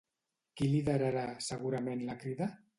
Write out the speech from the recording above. Qui liderarà segurament la Crida?